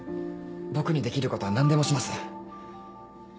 僕にできることは何でもします。